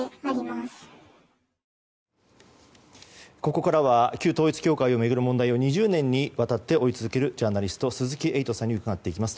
ここからは旧統一教会を巡る問題を２０年にわたって追い続けるジャーナリスト鈴木エイトさんに伺います。